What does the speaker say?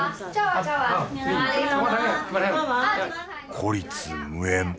孤立無援